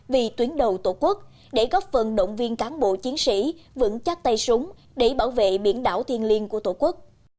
vì tuyến đầu tổ quốc để góp phần động viên cán bộ chiến sĩ vững chắc tay súng để bảo vệ biển đảo thiên liên của tổ quốc